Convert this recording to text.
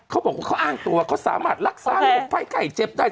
เขาบอกว่าเขาอ้างตัวเขาสามารถรักษาโรคภัยไข้เจ็บได้